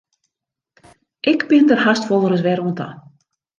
Ik bin der hast wolris wer oan ta.